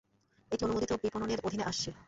এটি অনুমোদিত বিপণনের অধীনে আসে।